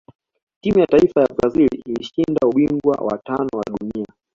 timu ya taifa ya brazil ilishinda ubingwa wa tano wa dunia